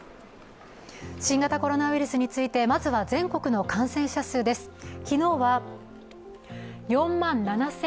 新型コロナウイルスについてまずは全国の感染者数です。